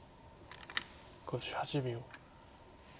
５８秒。